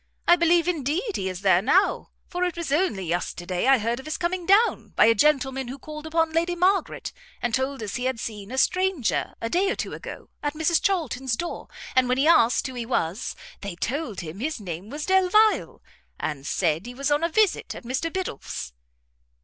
I believe, indeed, he is there now, for it was only yesterday I heard of his coming down, by a gentleman who called upon Lady Margaret, and told us he had seen a stranger, a day or two ago, at Mrs Charlton's door, and when he asked who he was, they told him his name was Delvile, and said he was on a visit at Mr Biddulph's."